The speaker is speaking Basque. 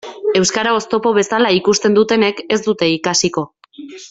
Euskara oztopo bezala ikusten dutenek ez dute ikasiko.